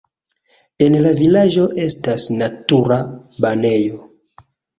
En la vilaĝo estas natura banejo.